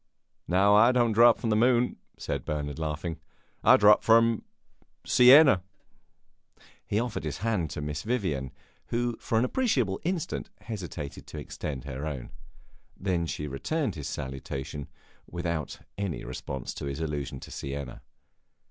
"No, I don't drop from the moon," said Bernard, laughing. "I drop from Siena!" He offered his hand to Miss Vivian, who for an appreciable instant hesitated to extend her own. Then she returned his salutation, without any response to his allusion to Siena.